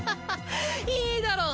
いいだろう。